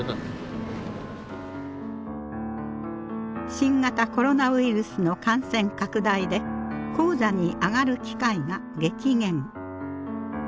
新型コロナウイルスの感染拡大で高座に上がる機会が激減。